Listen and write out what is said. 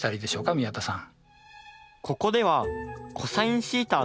宮田さん。